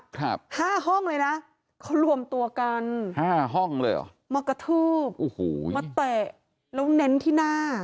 ครับห้องเลยนะคือรวมตัวกันมากระทืบมาแตะแล้วเน้นที่หน้า